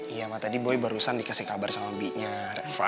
iya ma tadi boy barusan dikasih kabar sama binya treva